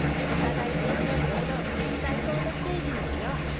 お互い正々堂々最高のステージにしよう。